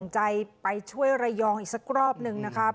ใจไปช่วยระยองอีกสักรอบหนึ่งนะครับ